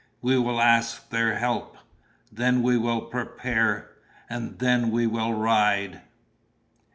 "We will ask their help. Then we will prepare. And then we will ride!"